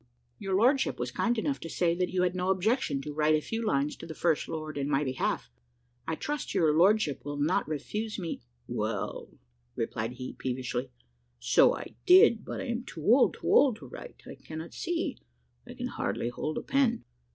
"Your lordship was kind enough to say that you had no objection to write a few lines to the First Lord in my behalf. I trust your lordship will not refuse me " "Well," replied he, peevishly, "so I did but I am too old, too old to write I cannot see I can hardly hold a pen."